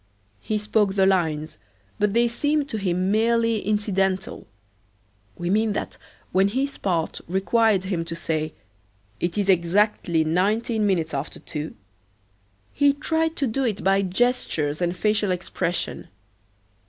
He spoke the lines, but they seemed to him merely incidental. We mean that when his part required him to say, "It is exactly nineteen minutes after two," he tried to do it by gestures and facial expression.